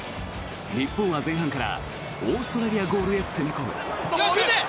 日本は前半からオーストラリアゴールへ攻め込む。